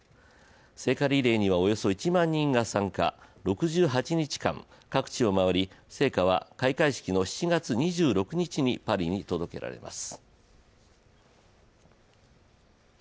聖火リレーにはおよそ１万人が参加６８日間各地を回り、聖火は開会式の７月２６日にパリに届けられます。